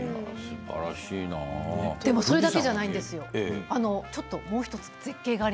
でも、それだけじゃないんですよ。